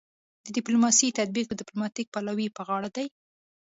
د ډیپلوماسي تطبیق د ډیپلوماتیک پلاوي په غاړه دی